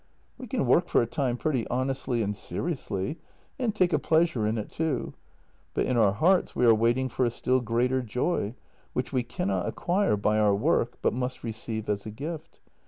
"We can work for a time pretty honestly and seriously, and take a pleasure in it too, but in our hearts we are waiting for a still greater joy, which we cannot acquire by our work, but must receive as a gift.